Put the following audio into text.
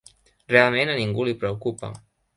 Realment a ningú li preocupa.